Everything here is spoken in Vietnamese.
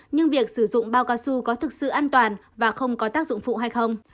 nhưng việc sử dụng bao cao su có thực sự an toàn và không có tác dụng phụ hay không